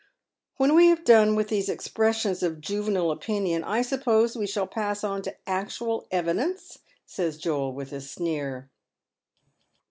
" When we have done with these expressions of juvenile opinion I suppose we shall pass on to actual evidence ?" says ioel, with a sneer.